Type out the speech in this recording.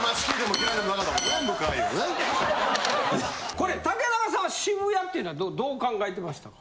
これ竹中さんは渋谷っていうのはどう考えてましたか？